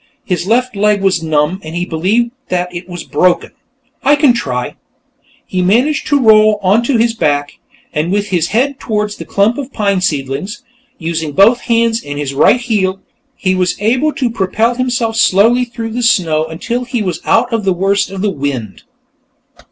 His left leg was numb, and he believed that it was broken. "I can try." He managed to roll onto his back, with his head toward the clump of pine seedlings. Using both hands and his right heel, he was able to propel himself slowly through the snow until he was out of the worst of the wind.